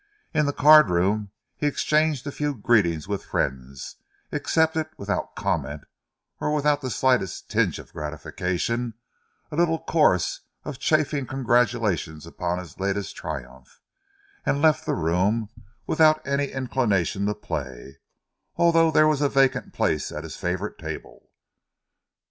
In the cardroom he exchanged a few greetings with friends, accepted without comment or without the slightest tinge of gratification a little chorus of chafing congratulations upon his latest triumph, and left the room without any inclination to play, although there was a vacant place at his favourite table.